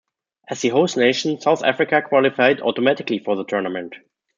As the host nation, South Africa qualified automatically for the tournament.